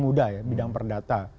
muda ya bidang perdata